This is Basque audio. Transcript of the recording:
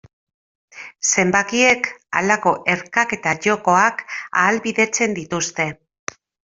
Zenbakiek halako erkaketa jokoak ahalbidetzen dituzte.